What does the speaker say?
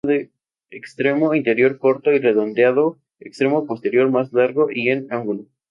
Extremo interior corto y redondeado, extremo posterior más largo y en ángulo.